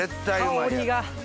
香りが！